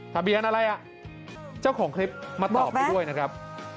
ทะเบียนอะไรอ่ะเจ้าของคลิปมาตอบไปด้วยนะครับ